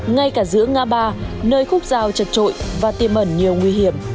ngay cả giữa ngã ba nơi khúc rào chật trội và tiêm ẩn nhiều nguy hiểm